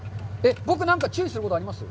僕、何か注意することあります？